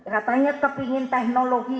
katanya kepingin teknologi